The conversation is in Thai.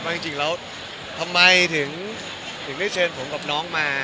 จริงแล้วทำไมถึงได้เชิญผมกับน้องมา